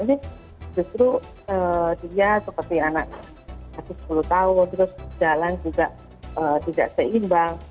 ini justru dia seperti anak masih sepuluh tahun terus jalan juga tidak seimbang